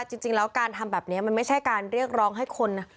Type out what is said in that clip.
จริงแล้วการทำแบบนี้มันไม่ใช่การเรียกร้องให้คน